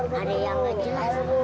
kayaknya tuh ada yang ngejelas